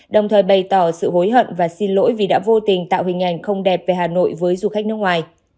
đồng thời bày tỏ sự hối hận và xin lỗi vì đã vô tình tạo hình ảnh không đẹp về hà nội với du khách nước ngoài